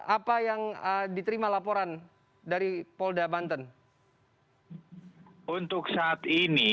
apa yang diterima laporan dari polda banten